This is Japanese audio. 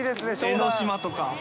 江の島とか。